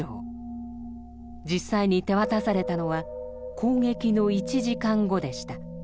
実際に手渡されたのは攻撃の１時間後でした。